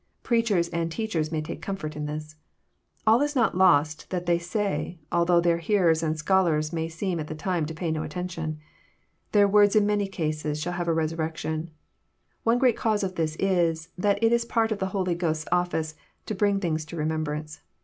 preachers and . teachers may take comfort in t]iis. All is not lost that they say, although their hearers and scholars may seem at the time to pay no attention. Their words in many cases shall have a resurrection. One great cause of this is, that it is part t)f the Holy Ghost's ofBce to bring things to remembrance."